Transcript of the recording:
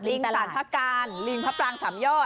ลิงสารพระการลิงพระปรางสามยอด